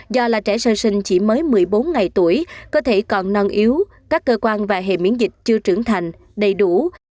do là trẻ sơ sinh chỉ mới một mươi bốn ngày tuổi có thể còn non yếu các cơ quan và hệ miễn dịch chưa trưởng thành đầy đủ